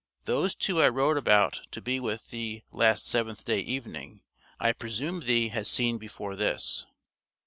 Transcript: Those two I wrote about to be with thee last 7th day evening, I presume thee has seen before this.